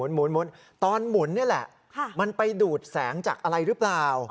หมุนตอนหมุนนี่แหละมันไปดูดแสงจากอะไรหรือเปล่า